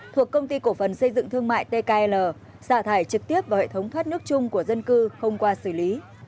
thuộc công ty cổ phần xây dựng thương mại tkl xả thải trực tiếp vào hệ thống thoát nước chung của dân cư không qua xử lý